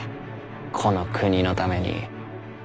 この国のために。